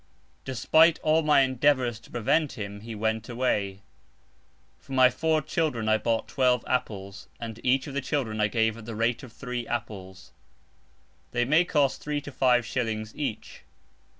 Despite all my endeavours to prevent him, he went away. For my four children I bought twelve apples, and to each of the children I gave at the rate of three apples. They may cost three to five shillings each.